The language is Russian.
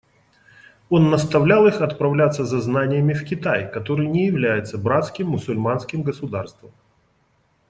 Он наставлял их отправляться за знаниями в Китай, который не является братским мусульманским государством.